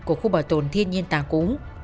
của khu bảo tồn thiên nhiên tà cú